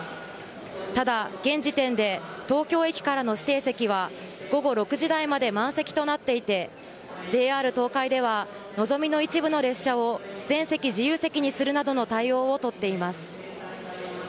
ただ、現時点で東京駅からの指定席は午後６時台まで満席となっていてＪＲ東海ではのぞみの一部の列車を全席自由席にするなどの対応を取っています。